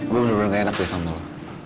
gue kesan sama lo